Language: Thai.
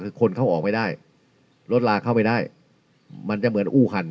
คือคนเข้าออกไม่ได้รถลาเข้าไม่ได้มันจะเหมือนอู้คัน